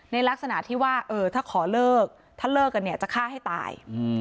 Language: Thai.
ในลักษณะที่ว่าถ้าขอเลิกถ้าเลิกกันเนี่ยจะฆ่าให้ตาย